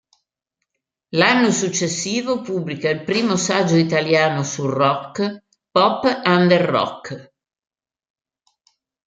L'anno successivo pubblica il primo saggio italiano sul rock, "Pop Under Rock".